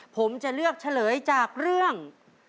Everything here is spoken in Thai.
ผมจะเลือกเฉลยจากเรื่อง